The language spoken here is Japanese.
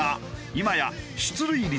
今や出塁率